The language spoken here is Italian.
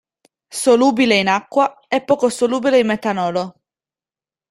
Solubile in acqua, è poco solubile in metanolo.